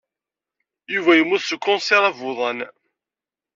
Yuba yemmut s ukensir abuḍan.